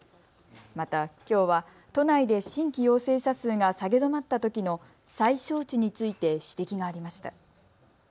また、きょうは都内で新規陽性者数が下げ止まったときの最小値について指摘がありました。